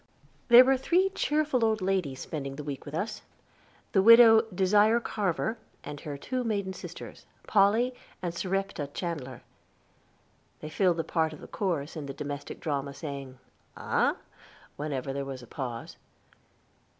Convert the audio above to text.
There were three cheerful old ladies spending the week with us the widow Desire Carver, and her two maiden sisters, Polly and Serepta Chandler. They filled the part of chorus in the domestic drama, saying, "Aha," whenever there was a pause.